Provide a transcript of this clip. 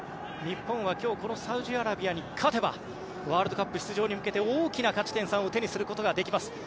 日本は今日このサウジアラビアに勝てばワールドカップ出場に向けて大きな勝ち点３を手にすることができます。